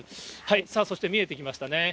さあ、そして見えてきましたね。